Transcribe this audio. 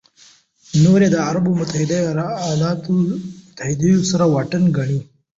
نور یې د عربو متحدینو سره واټن ګڼي.